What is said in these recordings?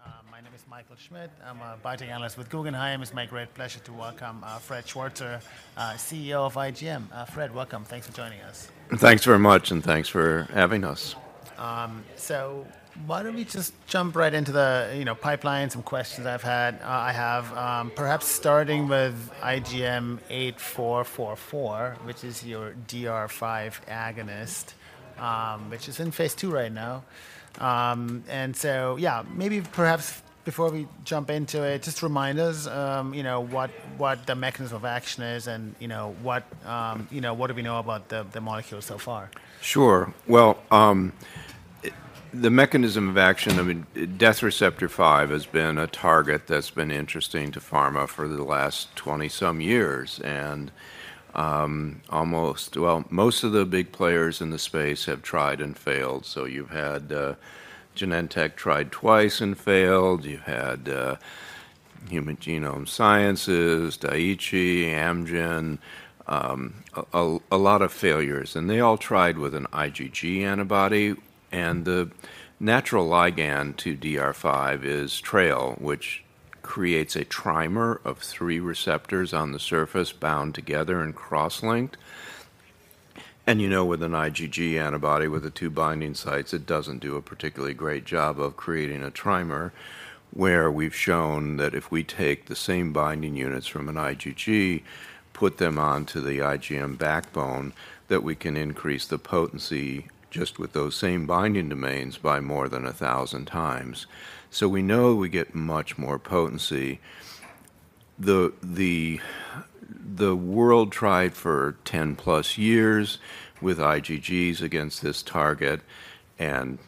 Pharma, my name is Michael Schmidt. I'm a biotech analyst with Guggenheim. It's my great pleasure to welcome Fred Schwarzer, CEO of IGM. Fred, welcome. Thanks for joining us. Thanks very much, and thanks for having us. Why don't we just jump right into the, you know, pipeline, some questions I've had, I have. Perhaps starting with IGM-8444, which is your DR5 agonist, which is in phase II right now. And so, yeah, maybe perhaps before we jump into it, just remind us, you know, what, what the mechanism of action is and, you know, what, you know, what do we know about the, the molecule so far? Sure. Well, in the mechanism of action, I mean, death receptor 5 has been a target that's been interesting to pharma for the last 20-some years. And, almost, well, most of the big players in the space have tried and failed. So you've had, Genentech try twice and failed. You've had, Human Genome Sciences, Daiichi, Amgen, a lot of failures. And they all tried with an IgG antibody. And the natural ligand to DR5 is TRAIL, which creates a trimer of 3 receptors on the surface bound together and cross-linked. You know, with an IgG antibody with the two binding sites, it doesn't do a particularly great job of creating a trimer, where we've shown that if we take the same binding units from an IgG, put them onto the IgM backbone, that we can increase the potency just with those same binding domains by more than 1,000 times. So we know we get much more potency. The world tried for 10-plus years with IgGs against this target and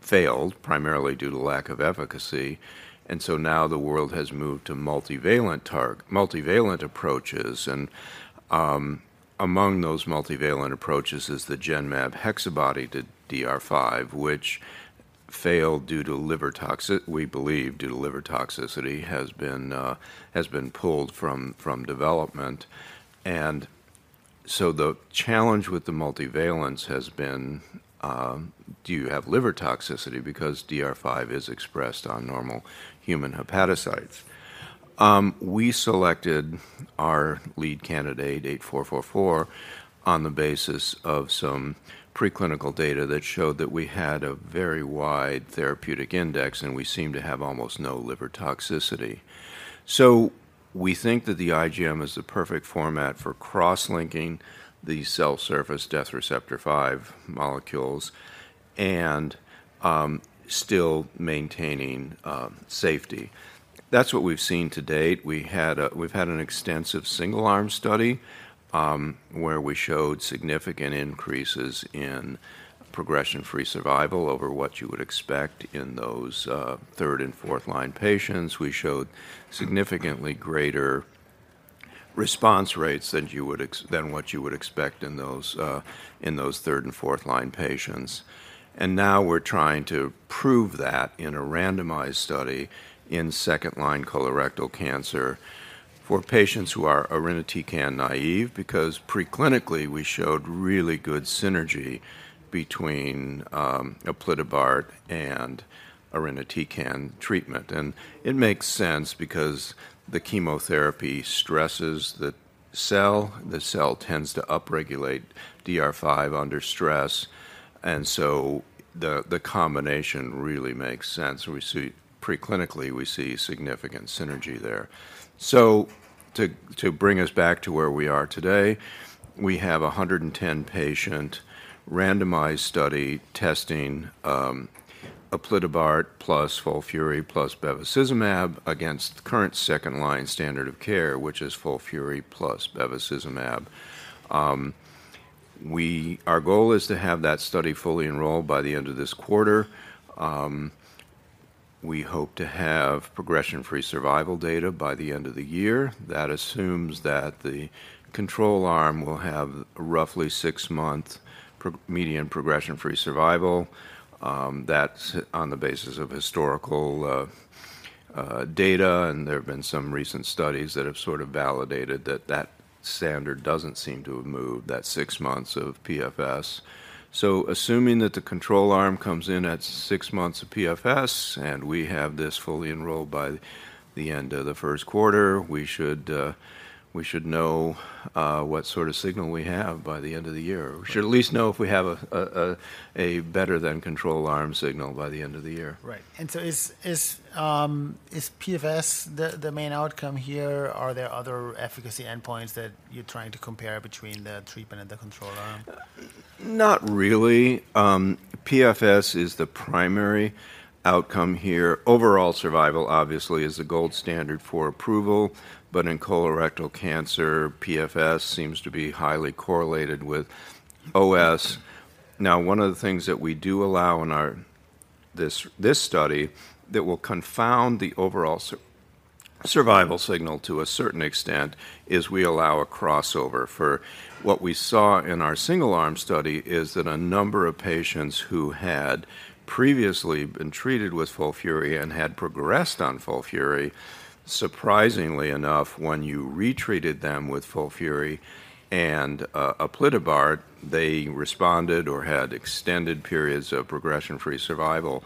failed, primarily due to lack of efficacy. And so now the world has moved to multivalent approaches. And, among those multivalent approaches is the Genmab HexaBody to DR5, which failed due to liver toxicity, we believe due to liver toxicity, and has been pulled from development. And so the challenge with the multivalents has been, do you have liver toxicity? Because DR5 is expressed on normal human hepatocytes, we selected our lead candidate, IGM-8444, on the basis of some preclinical data that showed that we had a very wide therapeutic index, and we seemed to have almost no liver toxicity. So we think that the IgM is the perfect format for cross-linking the cell surface DR5 molecules and still maintaining safety. That's what we've seen to date. We've had an extensive single-arm study, where we showed significant increases in progression-free survival over what you would expect in those third- and fourth-line patients. We showed significantly greater response rates than what you would expect in those third- and fourth-line patients. Now we're trying to prove that in a randomized study in second-line colorectal cancer for patients who are irinotecan naïve, because preclinically we showed really good synergy between aplitabart and irinotecan treatment. It makes sense because the chemotherapy stresses the cell. The cell tends to upregulate DR5 under stress. And so the combination really makes sense. We see preclinically significant synergy there. So to bring us back to where we are today, we have a 110-patient randomized study testing aplitabart plus FOLFIRI plus bevacizumab against the current second-line standard of care, which is FOLFIRI plus bevacizumab. Our goal is to have that study fully enrolled by the end of this quarter. We hope to have progression-free survival data by the end of the year. That assumes that the control arm will have roughly six-month median progression-free survival. That's on the basis of historical data. There have been some recent studies that have sort of validated that the standard doesn't seem to have moved, that six months of PFS. So assuming that the control arm comes in at six months of PFS and we have this fully enrolled by the end of the first quarter, we should know what sort of signal we have by the end of the year. We should at least know if we have a better-than-control-arm signal by the end of the year. Right. And so is PFS the main outcome here? Are there other efficacy endpoints that you're trying to compare between the treatment and the control arm? Not really. PFS is the primary outcome here. Overall survival, obviously, is the gold standard for approval. But in colorectal cancer, PFS seems to be highly correlated with OS. Now, one of the things that we do allow in our study that will confound the overall survival signal to a certain extent is we allow a crossover. For what we saw in our single-arm study is that a number of patients who had previously been treated with FOLFIRI and had progressed on FOLFIRI, surprisingly enough, when you retreated them with FOLFIRI and aplitabart, they responded or had extended periods of progression-free survival.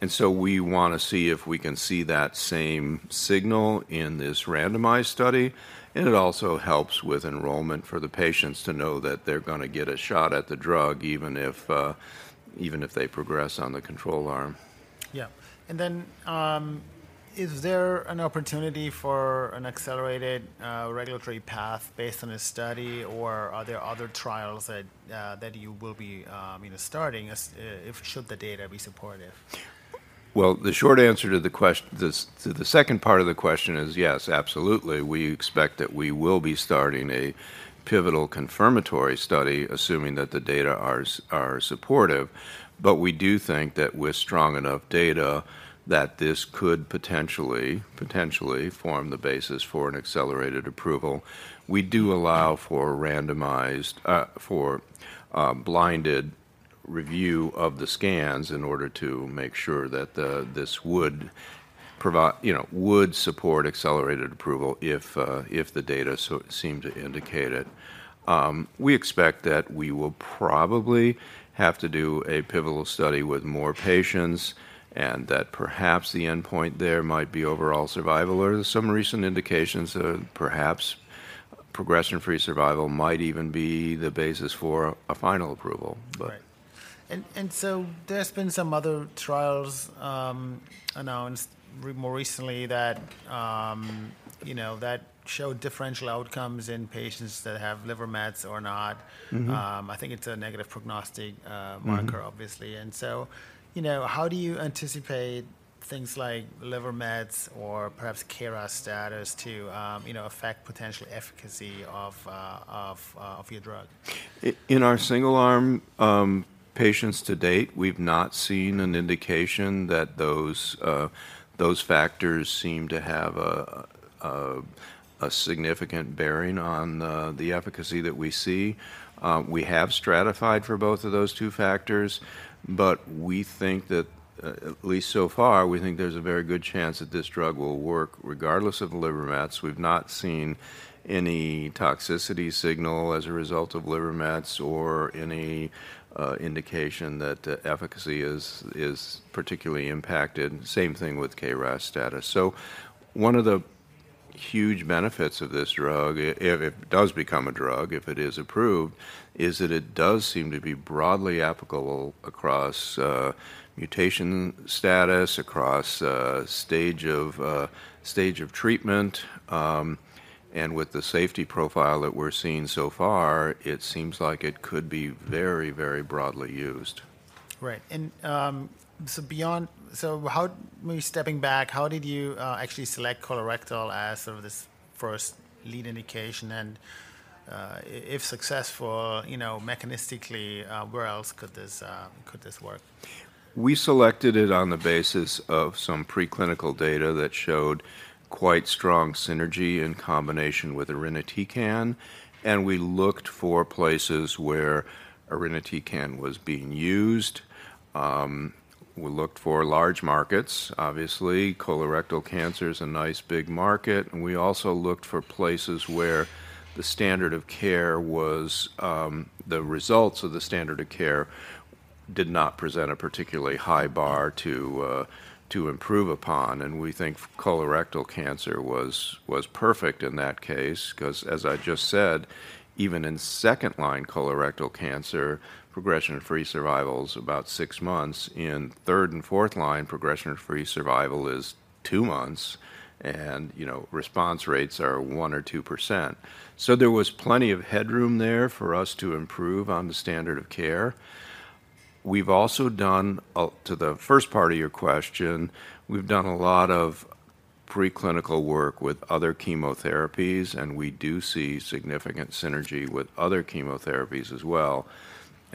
And so we want to see if we can see that same signal in this randomized study. It also helps with enrollment for the patients to know that they're going to get a shot at the drug even if, even if they progress on the control arm. Yeah. Is there an opportunity for an accelerated regulatory path based on this study? Or are there other trials that you will be, you know, starting if the data should be supportive? Well, the short answer to the question to the second part of the question is yes, absolutely. We expect that we will be starting a pivotal confirmatory study, assuming that the data are supportive. But we do think that with strong enough data that this could potentially form the basis for an accelerated approval. We do allow for randomized, blinded review of the scans in order to make sure that this would provide, you know, would support accelerated approval if the data so seem to indicate it. We expect that we will probably have to do a pivotal study with more patients, and that perhaps the endpoint there might be overall survival. Or there's some recent indications that perhaps progression-free survival might even be the basis for a final approval. But. Right. So there's been some other trials announced more recently that, you know, showed differential outcomes in patients that have liver mets or not. I think it's a negative prognostic marker, obviously. So, you know, how do you anticipate things like liver mets or perhaps KRAS status to, you know, affect potential efficacy of your drug? In our single-arm, patients to date, we've not seen an indication that those factors seem to have a significant bearing on the efficacy that we see. We have stratified for both of those two factors. But we think that, at least so far, we think there's a very good chance that this drug will work regardless of the liver mets. We've not seen any toxicity signal as a result of liver mets or any indication that the efficacy is particularly impacted. Same thing with KRAS status. So one of the huge benefits of this drug, if it does become a drug, if it is approved, is that it does seem to be broadly applicable across mutation status, across stage of treatment. And with the safety profile that we're seeing so far, it seems like it could be very, very broadly used. Right. And so, stepping back, how did you actually select colorectal as sort of this first lead indication? And if successful, you know, mechanistically, where else could this work? We selected it on the basis of some preclinical data that showed quite strong synergy in combination with irinotecan. We looked for places where irinotecan was being used. We looked for large markets, obviously. Colorectal cancer is a nice big market. We also looked for places where the standard of care was, the results of the standard of care did not present a particularly high bar to improve upon. We think colorectal cancer was perfect in that case. Because, as I just said, even in second-line colorectal cancer, progression-free survival is about 6 months. In third and fourth-line, progression-free survival is 2 months. You know, response rates are 1% or 2%. There was plenty of headroom there for us to improve on the standard of care. To the first part of your question, we've done a lot of preclinical work with other chemotherapies. We do see significant synergy with other chemotherapies as well.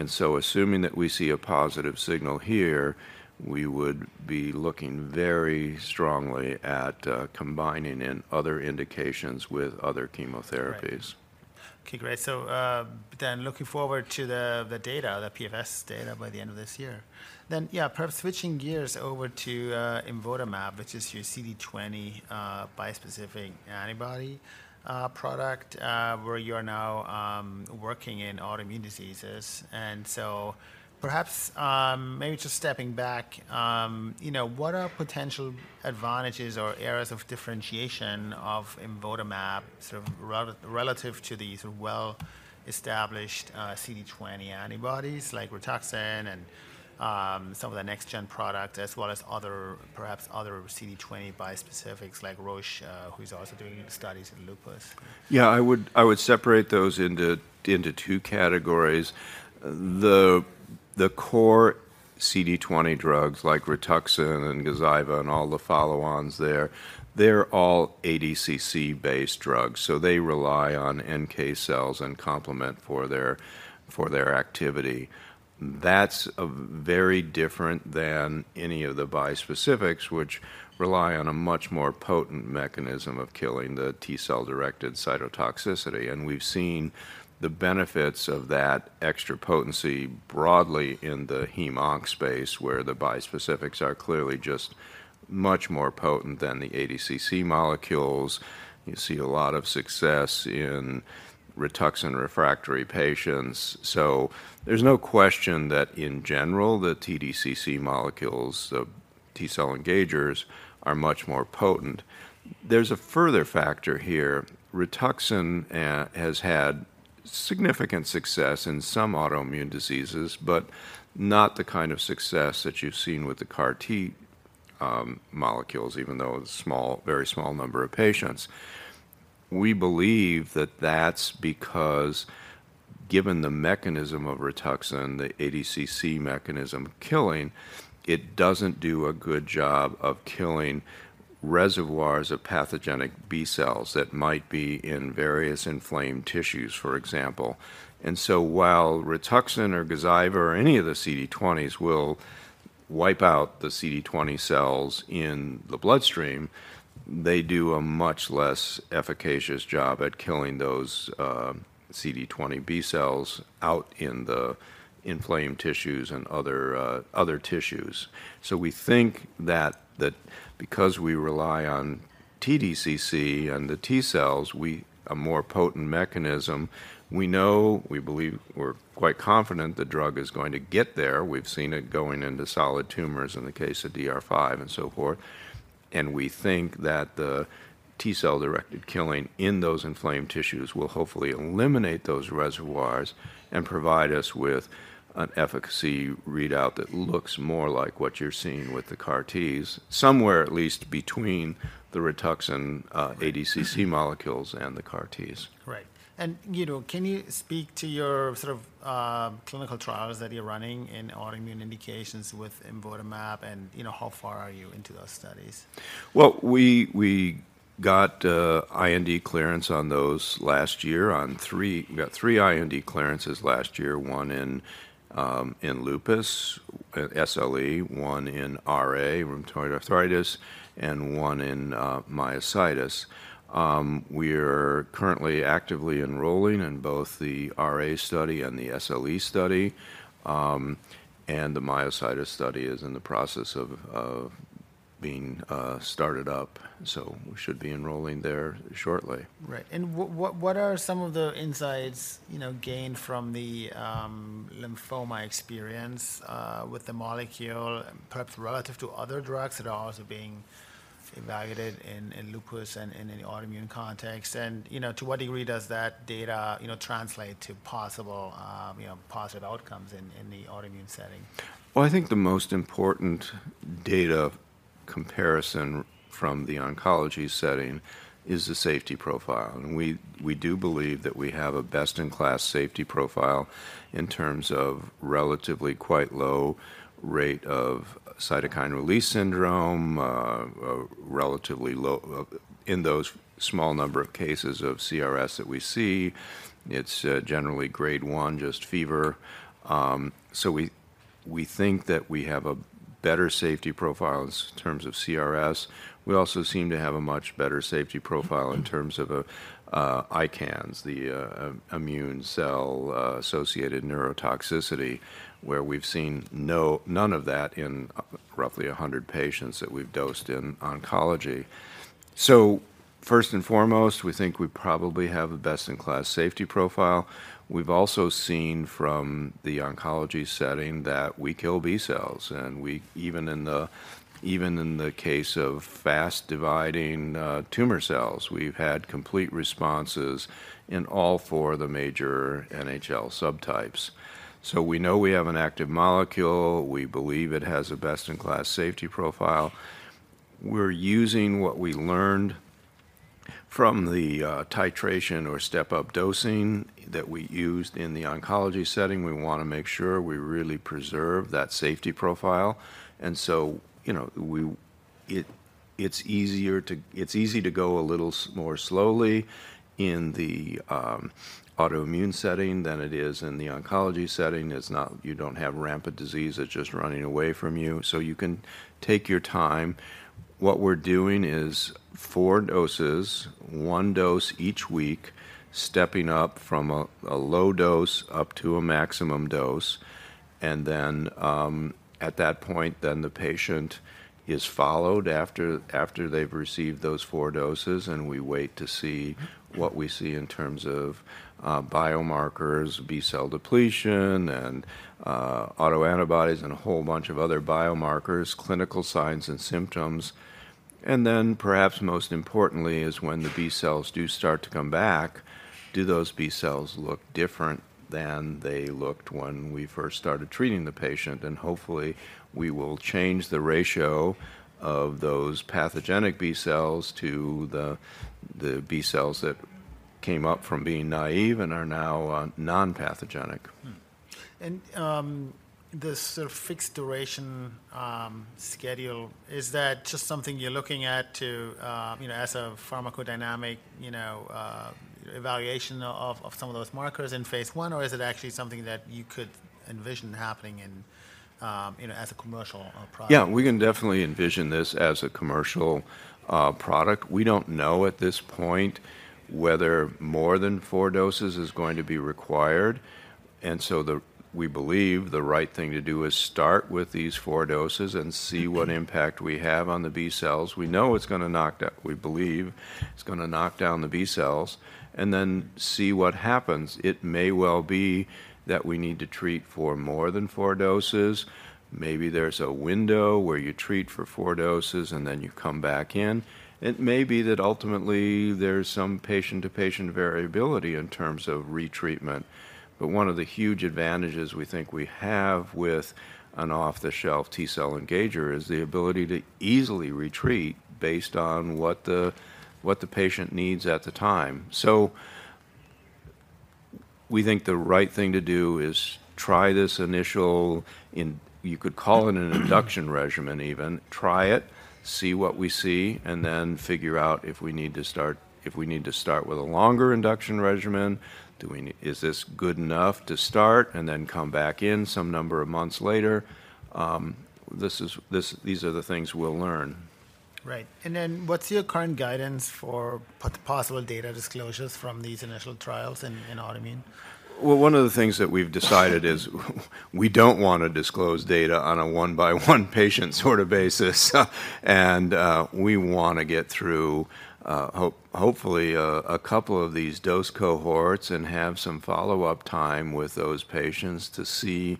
So assuming that we see a positive signal here, we would be looking very strongly at combining in other indications with other chemotherapies. Right. Okay, great. So, then looking forward to the data, the PFS data by the end of this year. Then, yeah, perhaps switching gears over to imvotamab, which is your CD20 bispecific antibody product, where you are now working in autoimmune diseases. And so perhaps, maybe just stepping back, you know, what are potential advantages or areas of differentiation of imvotamab sort of relative to these well-established CD20 antibodies like Rituxan and some of the next-gen products, as well as other perhaps other CD20 bispecifics like Roche, who's also doing studies in lupus? Yeah, I would separate those into two categories. The core CD20 drugs like Rituxan and Gazyva and all the follow-ons there, they're all ADCC-based drugs. So they rely on NK cells and complement for their activity. That's very different than any of the bispecifics, which rely on a much more potent mechanism of killing, the T-cell-directed cytotoxicity. And we've seen the benefits of that extra potency broadly in the heme/onc space, where the bispecifics are clearly just much more potent than the ADCC molecules. You see a lot of success in Rituxan refractory patients. So there's no question that, in general, the TDCC molecules, the T-cell engagers, are much more potent. There's a further factor here. Rituxan has had significant success in some autoimmune diseases, but not the kind of success that you've seen with the CAR-T molecules, even though it's small very small number of patients. We believe that that's because, given the mechanism of Rituxan, the ADCC mechanism of killing, it doesn't do a good job of killing reservoirs of pathogenic B cells that might be in various inflamed tissues, for example. And so while Rituxan or Gazyva or any of the CD20s will wipe out the CD20 cells in the bloodstream, they do a much less efficacious job at killing those, CD20 B cells out in the inflamed tissues and other, other tissues. So we think that, that because we rely on TDCC and the T cells, we a more potent mechanism, we know we believe we're quite confident the drug is going to get there. We've seen it going into solid tumors in the case of DR5 and so forth. We think that the T-cell-directed killing in those inflamed tissues will hopefully eliminate those reservoirs and provide us with an efficacy readout that looks more like what you're seeing with the CAR-Ts, somewhere at least between the Rituxan, ADCC molecules and the CAR-Ts. Right. And, you know, can you speak to your sort of, clinical trials that you're running in autoimmune indications with imvotamab? And, you know, how far are you into those studies? Well, we got IND clearance on those last year, on three we got three IND clearances last year, one in lupus, SLE, one in RA, rheumatoid arthritis, and one in myositis. We're currently actively enrolling in both the RA study and the SLE study. And the myositis study is in the process of being started up. So we should be enrolling there shortly. Right. And what are some of the insights, you know, gained from the lymphoma experience, with the molecule, perhaps relative to other drugs that are also being evaluated in lupus and in an autoimmune context? And, you know, to what degree does that data, you know, translate to possible, you know, positive outcomes in the autoimmune setting? Well, I think the most important data comparison from the oncology setting is the safety profile. We, we do believe that we have a best-in-class safety profile in terms of relatively quite low rate of cytokine release syndrome, relatively low in those small number of cases of CRS that we see. It's generally grade 1, just fever. We, we think that we have a better safety profile in terms of CRS. We also seem to have a much better safety profile in terms of ICANS, the immune cell-associated neurotoxicity, where we've seen none of that in roughly 100 patients that we've dosed in oncology. So first and foremost, we think we probably have a best-in-class safety profile. We've also seen from the oncology setting that we kill B cells. Even in the case of fast dividing tumor cells, we've had complete responses in all four of the major NHL subtypes. So we know we have an active molecule. We believe it has a best-in-class safety profile. We're using what we learned from the titration or step-up dosing that we used in the oncology setting. We want to make sure we really preserve that safety profile. And so, you know, it's easier to go a little more slowly in the autoimmune setting than it is in the oncology setting. It's not. You don't have rampant disease. It's just running away from you. So you can take your time. What we're doing is four doses, one dose each week, stepping up from a low dose up to a maximum dose. And then, at that point, the patient is followed after they've received those four doses. And we wait to see what we see in terms of biomarkers, B cell depletion, and autoantibodies, and a whole bunch of other biomarkers, clinical signs and symptoms. And then perhaps most importantly is when the B cells do start to come back, do those B cells look different than they looked when we first started treating the patient? And hopefully, we will change the ratio of those pathogenic B cells to the B cells that came up from being naive and are now non-pathogenic. This sort of fixed duration schedule is that just something you're looking at to, you know, as a pharmacodynamic, you know, evaluation of, of some of those markers in phase I? Or is it actually something that you could envision happening in, you know, as a commercial product? Yeah, we can definitely envision this as a commercial product. We don't know at this point whether more than four doses is going to be required. And so we believe the right thing to do is start with these four doses and see what impact we have on the B cells. We know it's going to knock down. We believe it's going to knock down the B cells. And then see what happens. It may well be that we need to treat for more than four doses. Maybe there's a window where you treat for four doses and then you come back in. It may be that ultimately there's some patient-to-patient variability in terms of retreatment. But one of the huge advantages we think we have with an off-the-shelf T-cell engager is the ability to easily retreat based on what the patient needs at the time. We think the right thing to do is try this initial, in you could call it an induction regimen, even. Try it, see what we see, and then figure out if we need to start with a longer induction regimen. Do we need, is this good enough, to start and then come back in some number of months later? These are the things we'll learn. Right. And then what's your current guidance for possible data disclosures from these initial trials in autoimmune? Well, one of the things that we've decided is we don't want to disclose data on a one-by-one patient sort of basis. And we want to get through, hopefully, a couple of these dose cohorts and have some follow-up time with those patients to see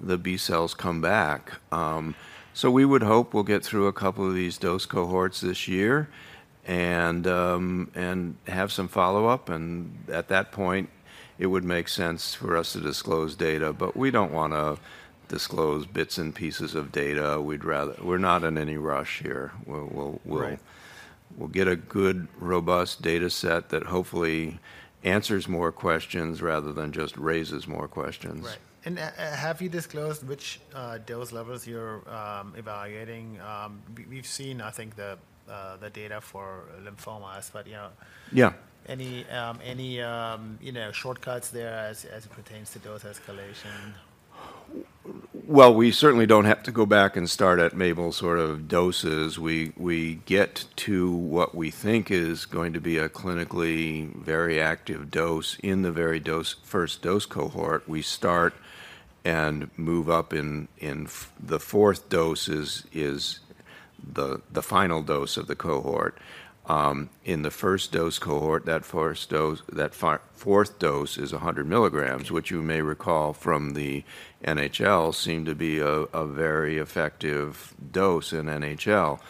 the B cells come back. So we would hope we'll get through a couple of these dose cohorts this year and have some follow-up. And at that point, it would make sense for us to disclose data. But we don't want to disclose bits and pieces of data. We'd rather we're not in any rush here. We'll get a good, robust data set that hopefully answers more questions rather than just raises more questions. Right. And have you disclosed which dose levels you're evaluating? We've seen, I think, the data for lymphomas. But you know. Yeah. Any, you know, shortcuts there as it pertains to dose escalation? Well, we certainly don't have to go back and start at MABEL's sort of doses. We, we get to what we think is going to be a clinically very active dose in the very first dose cohort. We start and move up. In the fourth dose is the final dose of the cohort. In the first dose cohort, that fourth dose is 100 milligrams, which you may recall from the NHL seemed to be a very effective dose in NHL.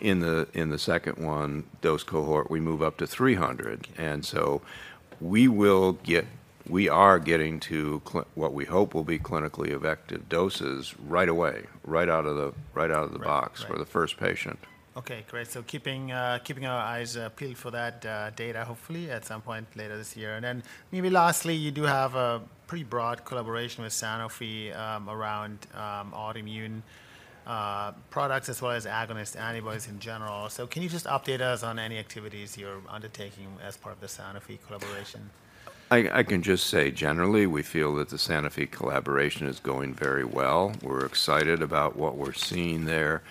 In the second dose cohort, we move up to 300. And so we will get, we are getting to what we hope will be clinically effective doses right away, right out of the right out of the box for the first patient. Okay, great. So keeping our eyes peeled for that data hopefully at some point later this year. And then maybe lastly, you do have a pretty broad collaboration with Sanofi around autoimmune products as well as agonist antibodies in general. So can you just update us on any activities you're undertaking as part of the Sanofi collaboration? I can just say generally, we feel that the Sanofi collaboration is going very well. We're excited about what we're seeing there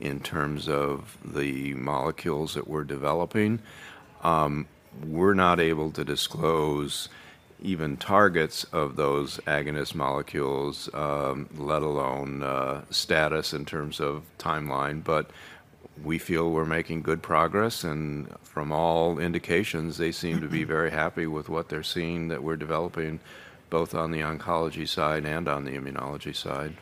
in terms of the molecules that we're developing. We're not able to disclose even targets of those agonist molecules, let alone status in terms of timeline. But we feel we're making good progress. And from all indications, they seem to be very happy with what they're seeing that we're developing both on the oncology side and on the immunology side.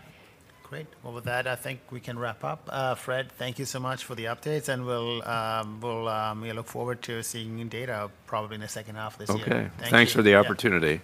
Great. Well, with that, I think we can wrap up. Fred, thank you so much for the updates. And we'll look forward to seeing data probably in the second half of this year. Okay. Thanks for the opportunity.